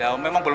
ya memang belum